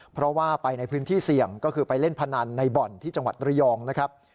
เพราะว่าไปในพื้นที่เสี่ยงก็คือไปเล่นพนันในบ่อนที่จังหวัดระยองนะครับ